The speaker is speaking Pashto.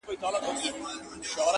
پیل لېوه ته په خندا سو ویل وروره٫